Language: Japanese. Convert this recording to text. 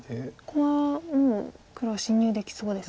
ここはもう黒侵入できそうですか。